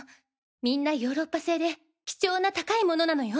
みんなヨーロッパ製で貴重な高い物なのよ。